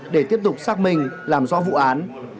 để tiếp tục xác minh làm rõ vụ án